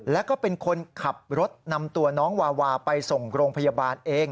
แล้วก็เป็นคนขับรถนำตัวน้องวาวาไปส่งโรงพยาบาลเอง